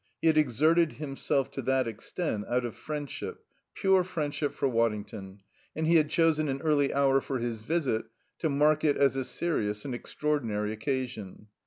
He had exerted himself to that extent out of friendship, pure friendship for Waddington, and he had chosen an early hour for his visit to mark it as a serious and extraordinary occasion.